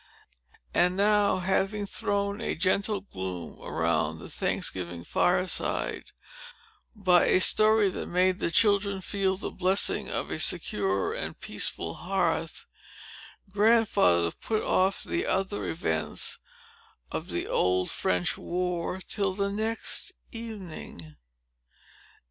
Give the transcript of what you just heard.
And now, having thrown a gentle gloom around the Thanksgiving fire side, by a story that made the children feel the blessing of a secure and peaceful hearth, Grandfather put off the other events of the Old French War till the next evening.